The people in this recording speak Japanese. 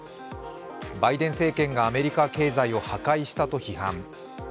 バイデン政権がアメリカ経済を破壊したと批判。